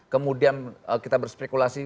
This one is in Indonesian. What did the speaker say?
kemudian kita berspekulasi